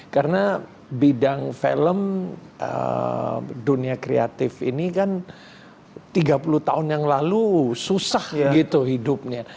karena bidang film dunia kreatif ini kan tiga puluh tahun yang lalu susah gitu hidupnya